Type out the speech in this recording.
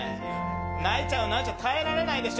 泣いちゃう、泣いちゃう、耐えられないでしょ。